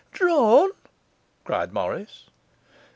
'Drawn!' cried Morris.